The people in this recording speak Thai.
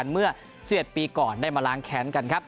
เมื่อ๑๑ปีก่อนได้มาล้างแค้นกันครับ